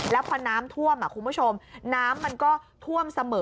แล้วพอน้ำท่วมคุณผู้ชมน้ำมันก็ท่วมเสมอ